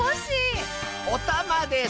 おたまです。